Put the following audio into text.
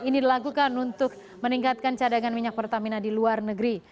ini dilakukan untuk meningkatkan cadangan minyak pertamina di luar negeri